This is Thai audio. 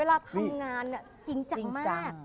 เวลาทำงานจริงจังมากจริงจัง